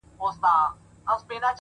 وخت د ارادې ملګری نه انتظار!